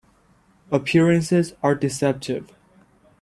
Appearances are deceptive.